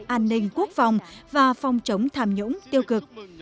an ninh quốc phòng và phòng chống tham nhũng tiêu cực